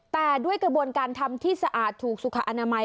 แต่ด้วยกระบวนการทำที่สะอาดถูกสุขอนามัย